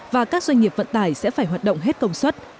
và các doanh nghiệp vận tải sẽ phải hoạt động hết công suất